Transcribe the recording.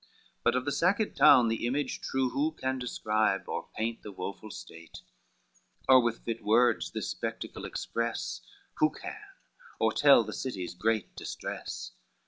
But of the sacked town the image true Who can describe, or paint the woful state, Or with fit words this spectacle express Who can? or tell the city's great distress?